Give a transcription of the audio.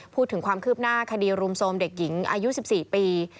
พูดถึงความคืบหน้าคดีรุมโทรมเด็กหญิงอายุ๑๔ปี